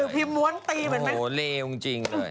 ผมรถติดอยู่ใช่ไหม